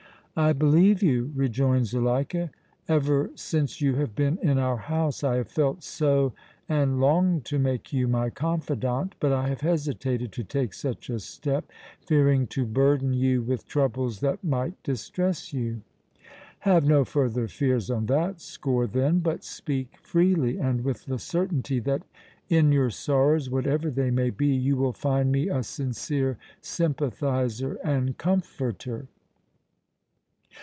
"I believe you," rejoined Zuleika. "Ever since you have been in our house I have felt so and longed to make you my confidante, but I have hesitated to take such a step, fearing to burden you with troubles that might distress you." "Have no further fears on that score then, but speak freely and with the certainty that in your sorrows, whatever they may be, you will find me a sincere sympathizer and comforter."